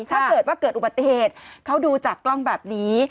ถ้าเกิดว่าเกิดอุบัติเหตุเขาดูจากกล้องแบบนี้